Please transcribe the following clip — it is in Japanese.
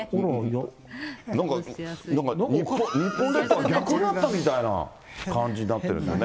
なんか日本列島が逆になったみたいな感じになってるんですかね。